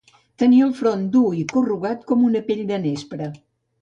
Tenia el front dur i corrugat com una pell de nespra.